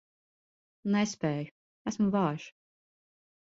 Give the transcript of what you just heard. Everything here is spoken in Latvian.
Nespēju, esmu vājš.